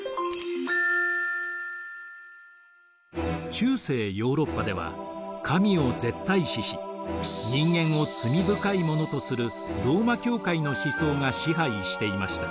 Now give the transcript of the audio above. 中世ヨーロッパでは神を絶対視し人間を罪深いものとするローマ教会の思想が支配していました。